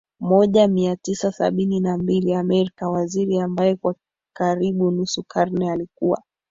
moja mia tisa sabini na mbili American waziri ambaye kwa karibu nusu karne alikuwa